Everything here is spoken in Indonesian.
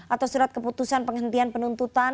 atau surat keputusan penghentian penuntutan